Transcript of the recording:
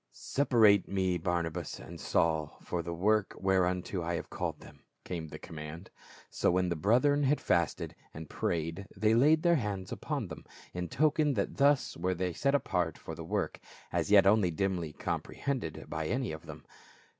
"Separate me Barnabas and Saul for the work whereunto I have called them," came the command. So when the brethren had fasted and prayed they laid their hands upon them, in token that thus were they set apart for the work, as yet only dimly com prehended by any of them.